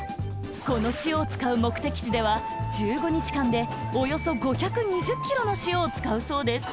この塩を使う目的地では１５にちかんでおよそ５２０ｋｇの塩を使うそうです。